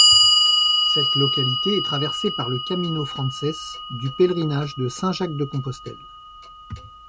Cette localité est traversée par le Camino francés du Pèlerinage de Saint-Jacques-de-Compostelle.